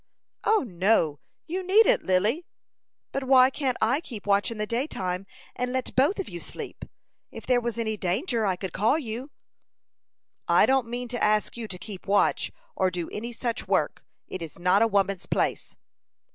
"O, no, you needn't, Lily." "But why can't I keep watch in the daytime, and let both of you sleep? If there was any danger I could call you." "I don't mean to ask you to keep watch, or do any such work. It is not a woman's place."